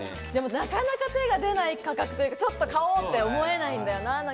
なかなか手が出ない価格というか、買おうと思えないんだよな。